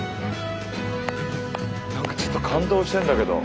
何かちょっと感動してんだけど。